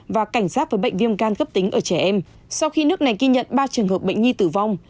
và cảnh sát với bệnh viêm gan cấp tính ở trẻ em sau khi nước này ghi nhận ba trường hợp bệnh nhi tử vong